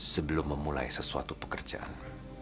sebelum memulai sesuatu pekerjaan